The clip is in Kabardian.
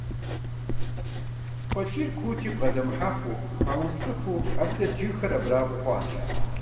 КъуэкӀийр куути, бгъэдэмыхьэфу, памыупщӀыфурэ, абы дэт жыгхэр абрагъуэ хъуащ.